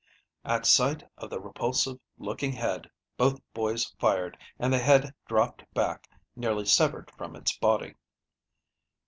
At sight of the repulsive looking head, both boys fired, and the head dropped back, nearly severed from its body.